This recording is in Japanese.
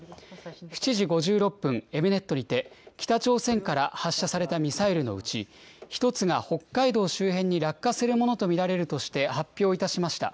７時５６分、エムネットにて、北朝鮮から発射されたミサイルのうち、１つが北海道周辺に落下するものと見られるとして、発表いたしました。